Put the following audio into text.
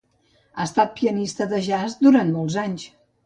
Ha estat pianista de jazz durant molts anys.